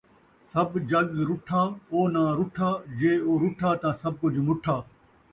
سب جڳ رُٹھا او ناں رُٹھا ، جے او رُٹھا تاں سب کجھ مُٹھا